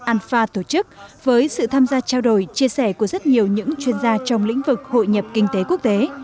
anfa tổ chức với sự tham gia trao đổi chia sẻ của rất nhiều những chuyên gia trong lĩnh vực hội nhập kinh tế quốc tế